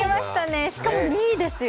しかも２位ですよ。